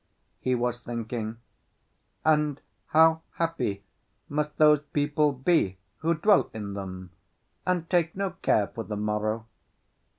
he was thinking, "and how happy must those people be who dwell in them, and take no care for the morrow!"